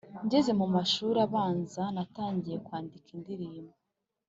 Ngeze mu mashuri abanzanatangiye kwandika indirimbo.